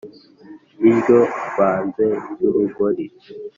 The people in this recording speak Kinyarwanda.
iryo banze ry’urugori